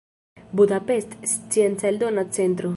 Budapest: Scienca Eldona Centro.